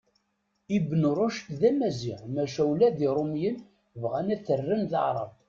Ibn Rucd d amaziɣ maca ula d Iṛumiyen bɣan ad t-rren d aεrab.